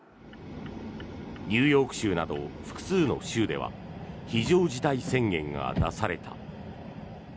ニューヨーク州など複数の州では非常事態宣言が出された。